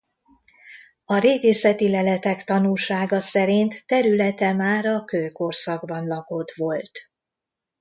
A régészeti leletek tanúsága szerint területe már a kőkorszakban lakott volt.